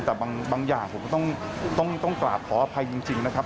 แต่บางอย่างผมก็ต้องกราบขออภัยจริงนะครับ